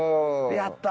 「やったー！」